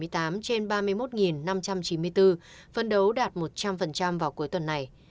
một mươi sáu năm trăm bảy mươi tám trên ba mươi một năm trăm chín mươi bốn phân đấu đạt một trăm linh vào cuối tuần này